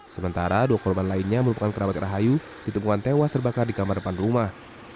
sementara dua korban lainnya merupakan kerabat rahayu ditemukan tewas terbakar di kamar depan rumah